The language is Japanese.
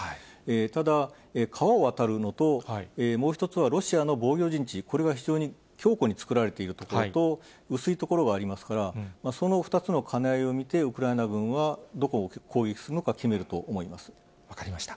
ただ、川を渡るのと、もう一つはロシアの防御陣地、これが非常に強固に作られている所と、薄い所がありますから、その２つの兼ね合いを見て、ウクライナ軍はどこを攻撃するの分かりました。